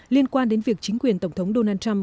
liên quan đến việc chính quyền tổng thống donald trump